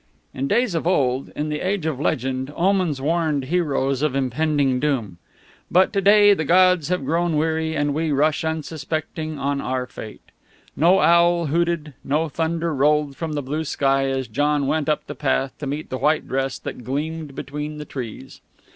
In days of old, in the age of legend, omens warned heroes of impending doom. But to day the gods have grown weary, and we rush unsuspecting on our fate. No owl hooted, no thunder rolled from the blue sky as John went up the path to meet the white dress that gleamed between the trees.